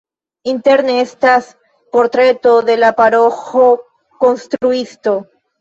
Interne estas portreto de la paroĥo-konstruisto.